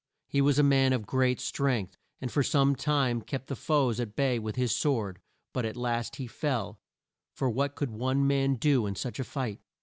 He was a man of great strength, and for some time kept the foes at bay with his sword, but at last he fell, for what could one man do in such a fight?